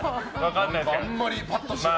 あんまりパッとしない。